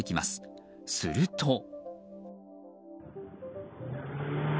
すると。